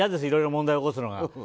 いろいろ問題を起こすのが。